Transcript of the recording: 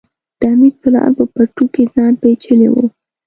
د حميد پلار په پټو کې ځان پيچلی و.